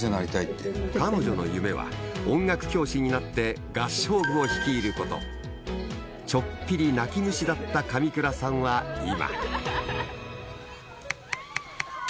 彼女の夢は音楽教師になって合唱部を率いることちょっぴり泣き虫だった上倉さんは今？